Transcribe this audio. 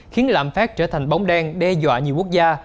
khiến lạm phát trở thành bóng đen đe dọa nhiều quốc gia